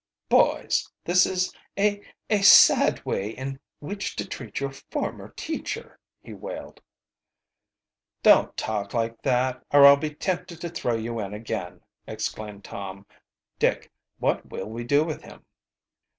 "Boys, this is a a sad way in which to treat your former teacher," he wailed. "Don't talk like that, or I'll be tempted to throw you in again," exclaimed Tom. "Dick, what will we do with him?"